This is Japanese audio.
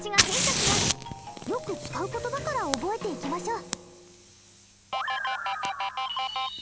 よく使う言葉から覚えていきましょう。